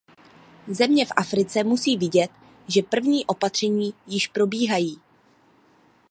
Země v Africe musí vidět, že první opatření již probíhají.